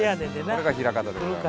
これが枚方でございます。